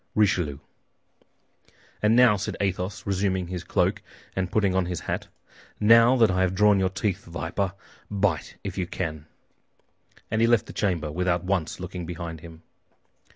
"RICHELIEU" "And now," said Athos, resuming his cloak and putting on his hat, "now that I have drawn your teeth, viper, bite if you can." And he left the chamber without once looking behind him.